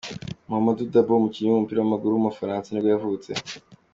Mouhamadou Dabo, umukinnyi w’umupira w’amaguru w’umufaransa nibwo yavutse.